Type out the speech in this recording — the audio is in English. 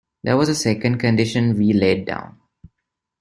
There was a second condition we laid down.